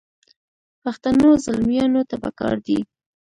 پښتنو زلمیانو ته پکار دي.